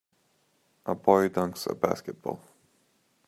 A boy dunks a basketball.